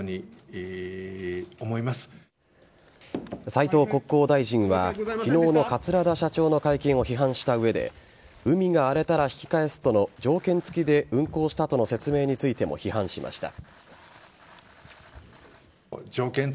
斉藤国交大臣は昨日の桂田社長の会見を批判した上で海が荒れたら引き返すとの条件付きで運航したとの説明についても批判しました。